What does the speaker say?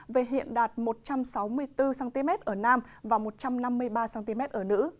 về hiện đạt một trăm sáu mươi bốn cm ở nam và một trăm năm mươi ba cm ở nữ